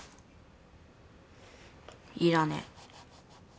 いらねえ。